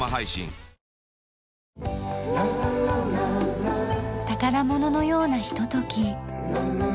わかるぞ宝物のようなひととき。